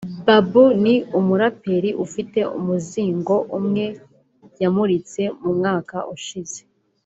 Babou ni umuraperi ufite umuzingo umwe yamuritse mu mwaka ushize